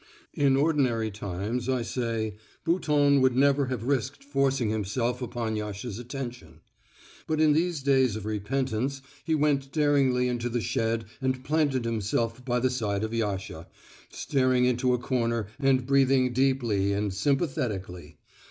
In ordinary times, I say, Bouton would never have risked forcing himself upon Yasha's attention. But in these days of repentance he went daringly into the shed and planted himself by the side of Yasha, staring into a corner and breathing deeply and sympathetically.